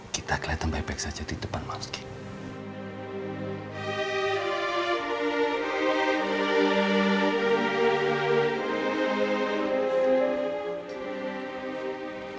kita kelihatan baik baik saja di depan mouse game